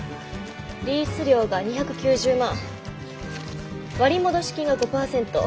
リース料が２９０万割戻金が５％。